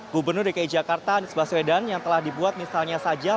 gubernur dki jakarta anies baswedan yang telah dibuat misalnya saja